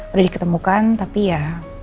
udah diketemukan tapi ya